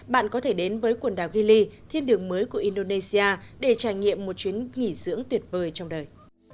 bạn có thể đến với quần đảo gilley thiên đường mới của indonesia để trải nghiệm một chuyến nghỉ dưỡng tuyệt vời trong đời